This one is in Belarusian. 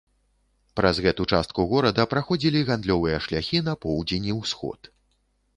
Праз гэту частку горада праходзілі гандлёвыя шляхі на поўдзень і ўсход.